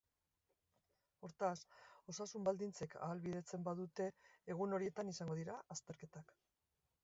Hortaz, osasun baldintzek ahalbidetzen badute egun horietan izango dira azterketak.